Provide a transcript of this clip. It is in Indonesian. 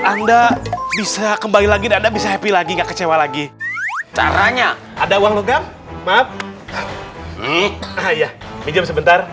anda bisa kembali lagi dan bisa happy lagi gak kecewa lagi caranya ada uang logam maaf